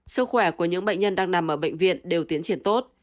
sức khỏe của những bệnh nhân đang nằm ở bệnh viện đều tiến triển tốt